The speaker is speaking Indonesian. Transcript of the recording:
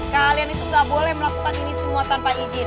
kalian itu nggak boleh melakukan ini semua tanpa izin